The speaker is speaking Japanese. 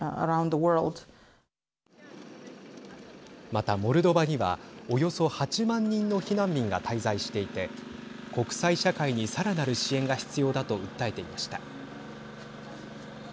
また、モルドバにはおよそ８万人の避難民が滞在していて国際社会にさらなる支援が必要だと訴えていました。